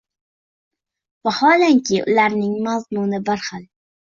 Vaholanki, ularning mazmuni bir xil.